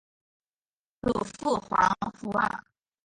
祖父黄福二。